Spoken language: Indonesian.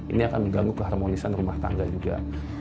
ini akan mengganggu keharmonisan rumah tangga juga